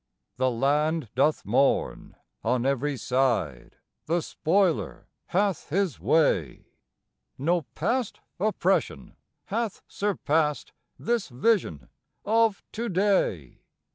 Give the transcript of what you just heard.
The land doth mourn. On every side the spoiler hath his way; No past oppression hath surpassed this vision of to day.